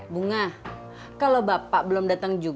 bunga kalo bapak belum dateng juga